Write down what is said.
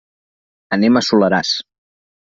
Anem al Soleràs.